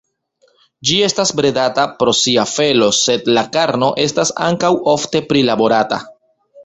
Ĝi estas bredata pro sia felo, sed la karno estas ankaŭ ofte prilaborata.